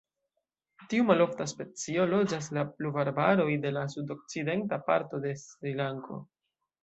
Tiu malofta specio loĝas la pluvarbaroj de la sudokcidenta parto de Srilanko.